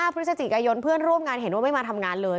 พฤศจิกายนเพื่อนร่วมงานเห็นว่าไม่มาทำงานเลย